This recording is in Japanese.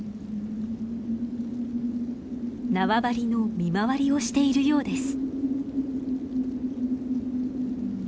縄張りの見回りをしているようです。